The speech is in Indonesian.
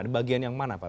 di bagian yang mana pak